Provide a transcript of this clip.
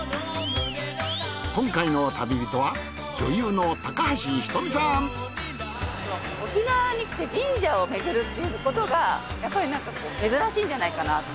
今回の旅人は沖縄に来て神社をめぐるっていうことがやっぱりなんか珍しいんじゃないかなと。